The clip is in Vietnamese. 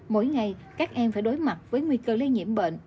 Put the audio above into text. mỗi ngày các em phải đối mặt với nguy cơ lây nhiễm bệnh